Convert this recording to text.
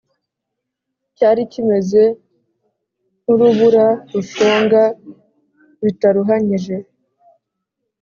cyari kimeze nk’urubura rushonga bitaruhanyije.